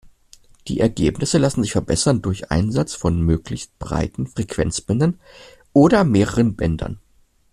Die Ergebnisse lassen sich verbessern, durch Einsatz von möglichst breiten Frequenzbändern oder mehreren Bändern.